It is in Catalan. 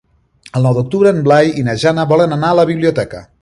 El nou d'octubre en Blai i na Jana volen anar a la biblioteca.